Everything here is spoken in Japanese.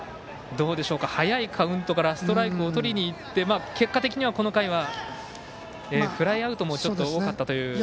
早いカウントからストライクをとりにいって結果的にはこの回はフライアウトもちょっと多かったという。